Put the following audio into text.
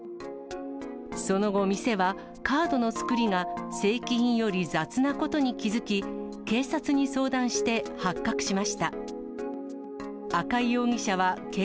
その後、店はカードの作りが正規品より雑なことに気付き、警察に相談して発覚しました。